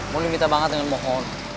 moni minta banget dengan mohon